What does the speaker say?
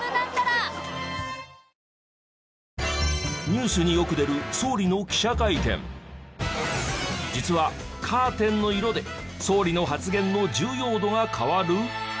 ニュースによく出る実はカーテンの色で総理の発言の重要度が変わる！？